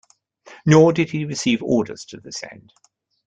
Nor did he receive orders to this end.